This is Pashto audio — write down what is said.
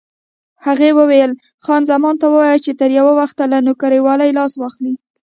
هغې وویل: خان زمان ته ووایه چې تر یو وخته له نوکرېوالۍ لاس واخلي.